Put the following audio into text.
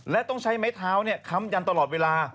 และต้องใช้ไม้เท้าค้ำยันตลอดเวลา